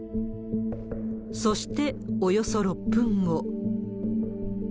そしておよそ６分後。